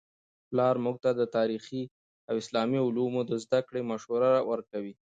پلار موږ ته د تاریخي او اسلامي علومو د زده کړې مشوره ورکوي.